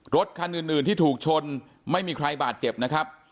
รถคันอื่นที่ถูกชนไม่มีใครบาดเจ็บนะครับ